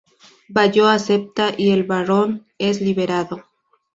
Vallo Acepta y el Barón es liberado.